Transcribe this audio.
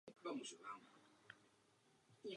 Živí se bobulemi jako většina pokémonů.